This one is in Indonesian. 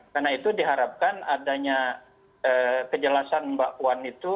karena itu diharapkan adanya kejelasan mbak puan itu